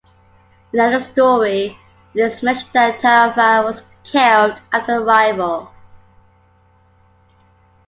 In another story, it is mentioned that Tarafa was killed after arrival.